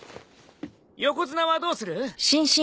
横綱はどうする？